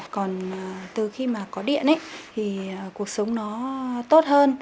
còn từ khi mà có điện thì cuộc sống nó tốt hơn